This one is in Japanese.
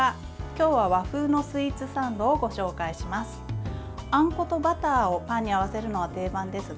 今日は和風のスイーツサンドをご紹介します。